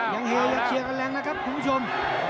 อย่างเฮยอย่าเชียร์กันแรงนะครับคุณผู้ชม